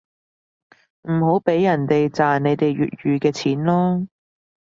唔好畀人哋賺你哋粵語嘅錢囉